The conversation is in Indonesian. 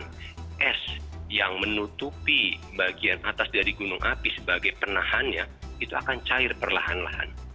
karena es yang menutupi bagian atas dari gunung api sebagai penahannya itu akan cair perlahan lahan